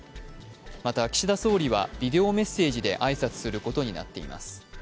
また、岸田総理はビデオメッセージで挨拶することになっています。